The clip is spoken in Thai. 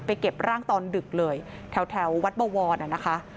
เก็บร่างตอนดึกเลยแถววัดบวรนะคะ